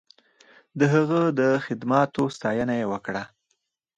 د هغه د خدماتو ستاینه یې وکړه.